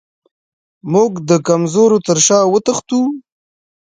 موږ د کمزورو تر شا وتښتو.